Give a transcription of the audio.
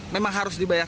memang harus dibayar